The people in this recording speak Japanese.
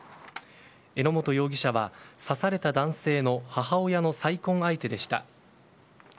榎本容疑者は、刺された男性の母親の再婚相手でした。